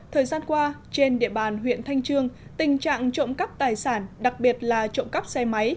thời gian qua trên địa bàn huyện thanh trương tình trạng trộm cắp tài sản đặc biệt là trộm cắp xe máy